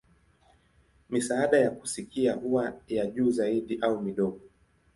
Misaada ya kusikia huwa ya juu zaidi au midogo.